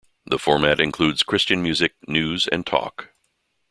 The format includes Christian music, news and talk.